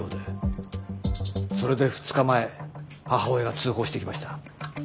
それで２日前母親が通報してきました。